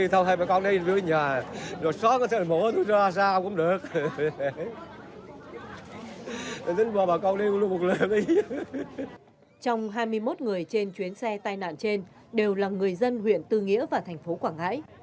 trong hai mươi một người trên chuyến xe tai nạn trên đều là người dân huyện tư nghĩa và thành phố quảng ngãi